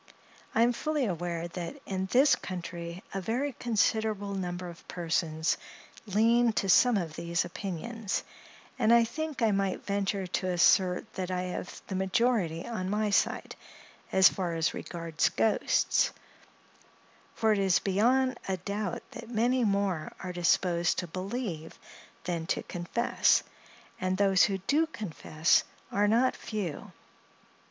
I am fully aware that in this country a very considerable number of persons lean to some of these opinions, and I think I might venture to assert that I have the majority on my side, as far as regards ghosts—for it is beyond a doubt that many more are disposed to believe than to confess—and those who do confess, are not few.